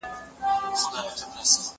کتابونه د زده کوونکو له خوا لوستل کيږي!!